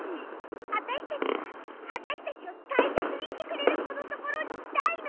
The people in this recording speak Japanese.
わたしたちはわたしたちをたいせつにしてくれるこのところにいたいの！